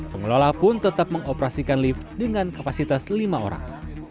pengelola pun tetap mengoperasikan lift dengan kapasitas lima orang